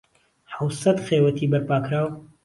حهوسەت خێوهتی بەرپا کراو